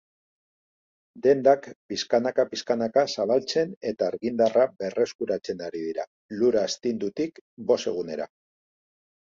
Dendak pixkanaka-pixkanaka zabaltzen eta argindarra berreskuratzen ari dira, lur astindutik bost egunera.